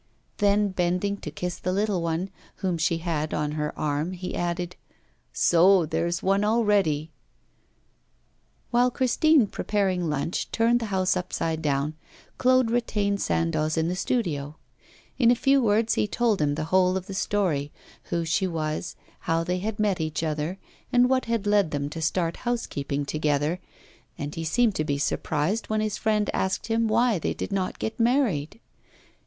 Then, bending to kiss the little one, whom she had on her arm, he added: 'So there's one already!' While Christine, preparing lunch, turned the house up side down, Claude retained Sandoz in the studio. In a few words he told him the whole of the story, who she was, how they had met each other, and what had led them to start housekeeping together, and he seemed to be surprised when his friend asked him why they did not get married.